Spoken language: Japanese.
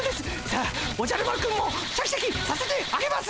さあおじゃる丸くんもシャキシャキさせてあげます